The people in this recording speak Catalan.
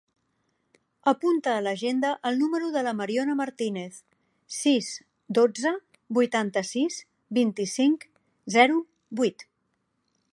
Apunta a l'agenda el número de la Mariona Martinez: sis, dotze, vuitanta-sis, vint-i-cinc, zero, vuit.